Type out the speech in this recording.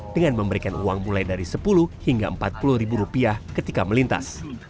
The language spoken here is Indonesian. dengan memberikan uang mulai dari sepuluh hingga empat puluh ribu rupiah ketika melintas